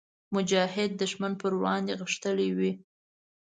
مجاهد د ښمن پر وړاندې غښتلی وي.